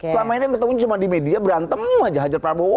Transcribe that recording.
selama ini yang ketemunya cuma di media berantem aja hajar prabowo